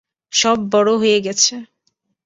সব বড় হয়ে গেছে।